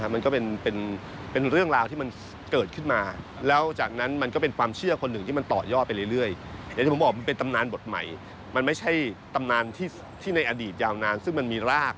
มันจะเพิ่มขึ้นแล้วก็มีพาไปติวมันก็ได้ต่อยอดไปเลย